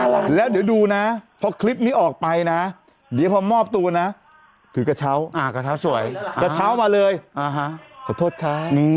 อะแล้วมันแบบมาหน้าร้านเขาเลยอ่ะ